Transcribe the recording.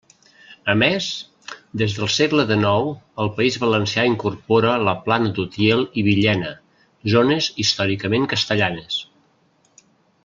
A més, des del segle dènou el País Valencià incorpora la Plana d'Utiel i Villena, zones històricament castellanes.